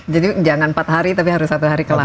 jadi jangan empat hari tapi harus satu hari kelar